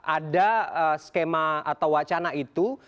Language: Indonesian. ada skema atau wacana itu